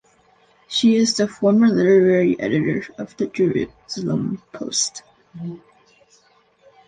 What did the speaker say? She is the former literary editor of the Jerusalem Post.